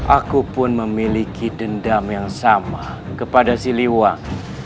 aku pun memiliki dendam yang sama kepada si li wang